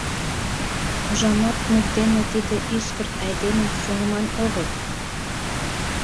Ужамат, мут дене тиде ӱскырт айдемым сеҥыман огыл.